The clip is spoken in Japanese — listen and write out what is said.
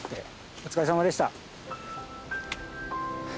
お疲れさまでした。